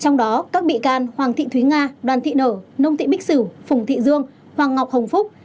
trong đó các bị can hoàng thị thúy nga đoàn thị nở nông thị bích sửu phùng thị dương hoàng ngọc hồng phúc